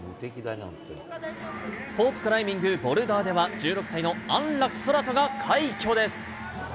スポーツクライミング、ボルダーでは１６歳の安楽宙斗が快挙です。